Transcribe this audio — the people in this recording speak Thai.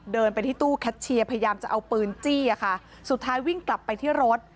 เดินไปที่ตู้แคชเชียร์พยายามจะเอาปืนจี้อะค่ะสุดท้ายวิ่งกลับไปที่รถ